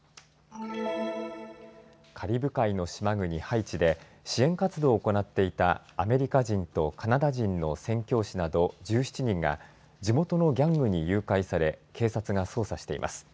カリブ海の島国ハイチで支援活動を行っていたアメリカ人とカナダ人の宣教師など１７人が地元のギャングに誘拐され警察が捜査しています。